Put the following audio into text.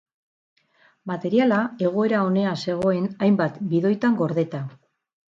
Materiala egoera onean zegoen, hainbat bidoitan gordeta.